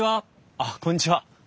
あっこんにちは。